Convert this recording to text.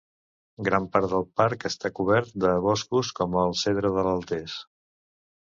Gran part del parc està cobert de boscos com el cedre de l'Atles.